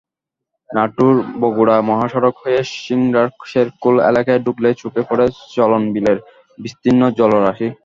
নাটোর-বগুড়া মহাসড়ক হয়ে সিংড়ার শেরকোল এলাকায় ঢুকলেই চোখে পড়ে চলনবিলের বিস্তীর্ণ জলরাশি।